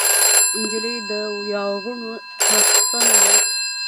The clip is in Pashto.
نجلۍ د ویاړونو څښتنه ده.